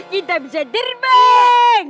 kita bisa terbang